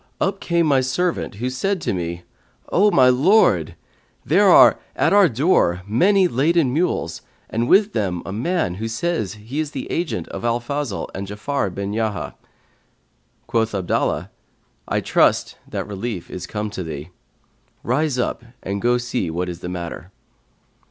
up came my servant, who said to me, O my lord, there are at our door many laden mules and with them a man, who says he is the agent of Al Fazl and Ja'afar bin Yahya.' Quoth Abdallah, I trust that relief is come to thee: rise up and go see what is the matter.'